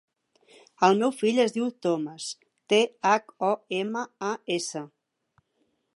El meu fill es diu Thomas: te, hac, o, ema, a, essa.